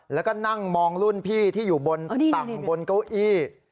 แล้วก็นั่งมองรุ่นพี่ที่อยู่บนต่ำบนเก้าอี้